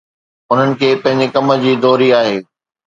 انهن کي پنهنجي ڪم جي دوري آهي.